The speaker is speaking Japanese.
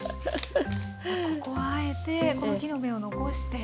ここはあえてこの木の芽を残して。